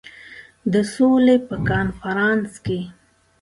د سولي په کنفرانس کې.